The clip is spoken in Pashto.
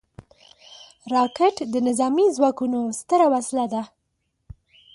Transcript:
راکټ د نظامي ځواکونو ستره وسله ده